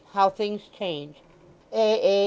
How things change!" "Ay; ay....